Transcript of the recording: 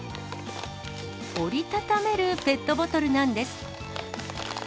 折り畳めるペットボトルなんです。